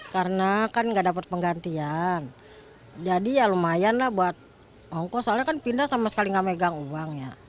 karena kan nggak dapat penggantian jadi ya lumayan lah buat ongkos soalnya kan pindah sama sekali nggak megang uang ya